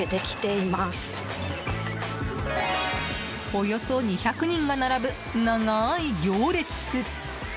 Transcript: およそ２００人が並ぶ長い行列。